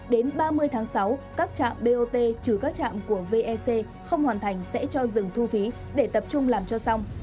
đến ba mươi tháng sáu các trạm bot trừ các trạm của vec không hoàn thành sẽ cho dừng thu phí để tập trung làm cho xong